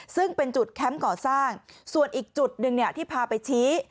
ซึ่งเป็นจุดแคมป์ก่อสร้างส่วนอีกจุดหนึ่งที่พาไปชี้